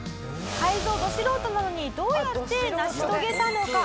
改造ど素人なのにどうやって成し遂げたのか？